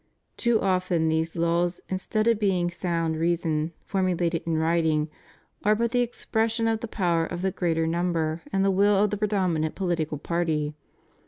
Too often these laws in stead of being sound reason formulated in writing are but the expression of the power of the greater number and the will of the predominant political party.